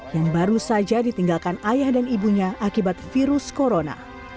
yang baru saja ditinggalkan ayah dan ibunya akibat virus corona